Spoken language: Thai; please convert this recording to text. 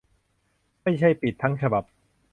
ไม่ใช่ปิดทั้งฉบับ